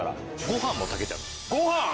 ご飯も炊けちゃいます。